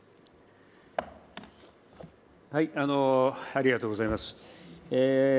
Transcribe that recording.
ありがとうございます。